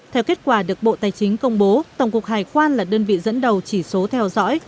theo kết quả được bộ tài chính công bố tổng cục hải quan là đơn vị dẫn đầu chỉ số theo dõi